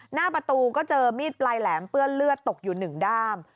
หน้าประตูก็เจอมีดปลายแหลมเปื้อนเลือดตกอยู่๑ด้าม